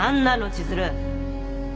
千鶴